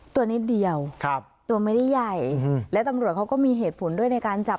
ตัวนิดเดียวครับตัวไม่ได้ใหญ่และตำรวจเขาก็มีเหตุผลด้วยในการจับ